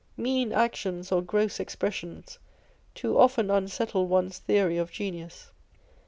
Mean actions or gross expression? too often unsettle one's theory of genius.